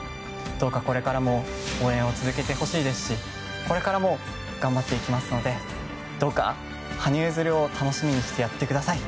どうかこれからも応援を続けてほしいですしこれからも頑張っていきますのでどうか羽生結弦を楽しみにしてやってください。